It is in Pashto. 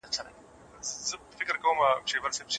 که تاسي ما ته لینک راکړئ زه به یې وګورم.